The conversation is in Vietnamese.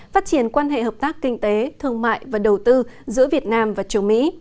phát triển quan hệ hợp tác kinh tế thương mại và đầu tư giữa việt nam và châu mỹ